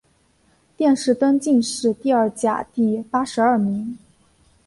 殿试登进士第二甲第八十二名。